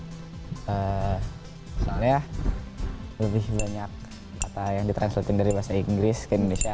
misalnya lebih banyak kata yang ditranslotin dari bahasa inggris ke indonesia